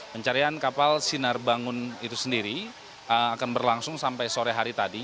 pencarian kapal sinar bangun itu sendiri akan berlangsung sampai sore hari tadi